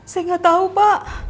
saya gak tahu pak